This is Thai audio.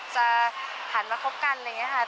จะหันมาคบกันอะไรอย่างนี้ค่ะ